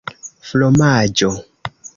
fromaĝo